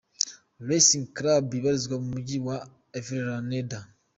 Racing Club ibarizwa mu Mujyi wa Avellaneda